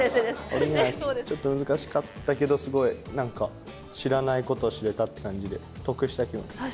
俺にはちょっと難しかったけどすごい何か知らないことを知れたって感じで得した気分です。